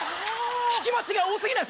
聞き間違い多過ぎない？